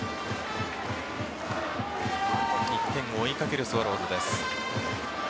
１点を追いかけるスワローズです。